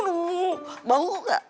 uh bau gak